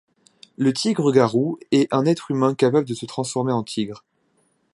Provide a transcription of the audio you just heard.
Le tigre-garou est un être humain capable de se transformer en tigre.